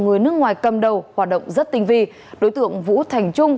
người nước ngoài cầm đầu hoạt động rất tinh vi đối tượng vũ thành trung